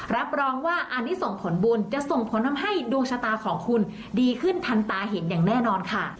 รับรองว่าอันนี้ส่งผลบุญจะส่งผลทำให้ดวงชะตาของคุณดีขึ้นทันตาเห็นอย่างแน่นอนค่ะ